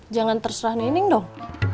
jangan terserah neneng dong